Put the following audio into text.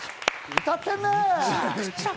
歌ってるね！